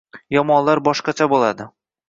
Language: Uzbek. Yomonlar boshqacha bo‘ladi.